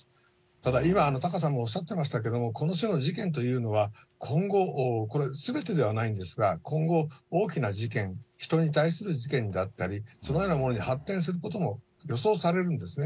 ただ、今、タカさんがおっしゃっていましたけれども、この種の事件というのは、今後、すべてではないんですが、今後、大きな事件、人に対する事件だったり、そのようなものに発展することも予想されるんですね。